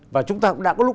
và chúng ta cũng đã có lúc